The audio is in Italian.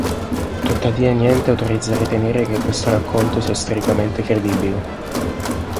Tuttavia, niente autorizza a ritenere che questo racconto sia storicamente credibile.